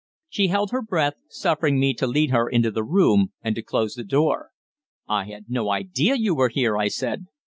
She held her breath, suffering me to lead her into the room and to close the door. "I had no idea you were here," I said.